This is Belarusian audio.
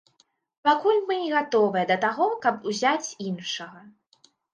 І пакуль мы не гатовыя да таго, каб узяць іншага.